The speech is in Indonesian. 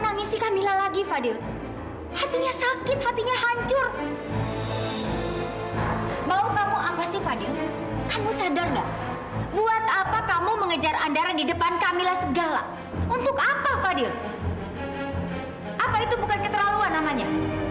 apa itu bukan keterlaluan namanya